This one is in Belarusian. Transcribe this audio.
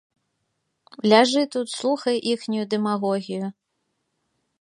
Ляжы тут, слухай іхнюю дэмагогію.